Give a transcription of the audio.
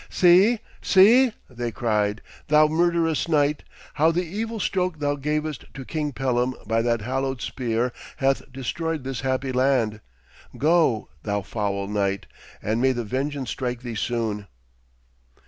'See, see,' they cried, 'thou murderous knight, how the evil stroke thou gavest to King Pellam by that hallowed spear hath destroyed this happy land! Go! thou foul knight, and may the vengeance strike thee soon!'